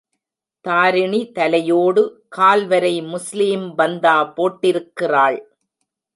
தாரிணி தலையோடு கால்வரை முஸ்லீம் பந்தா போட்டிருக்கிறாள்.